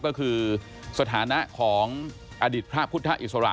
ก็คือสถานะของอดีตพระพุทธอิสระ